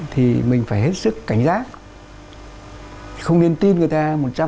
thì mình phải hết sức cảnh giác không nên tin người ta một trăm linh